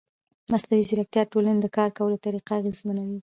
مصنوعي ځیرکتیا د ټولنې د کار کولو طریقه اغېزمنوي.